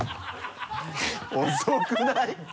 遅くない？